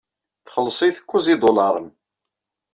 Txelleṣ-it kuẓ n yidulaṛen.